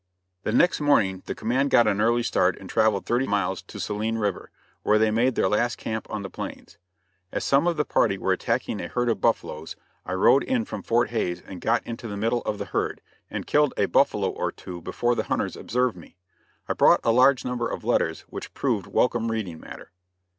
The next morning the command got an early start and traveled thirty miles to Saline River, where they made their last camp on the plains. As some of the party were attacking a herd of buffaloes, I rode in from Fort Hays and got into the middle of the herd, and killed a buffalo or two before the hunters observed me. I brought a large number of letters, which proved welcome reading matter.